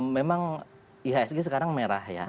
memang ihsg sekarang merah ya